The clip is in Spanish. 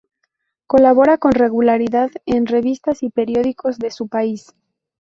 Colabora con regularidad en revistas y periódicos de su país.